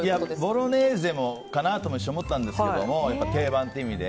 ボロネーゼかなとも一瞬思ったんですけどやっぱり定番という意味で。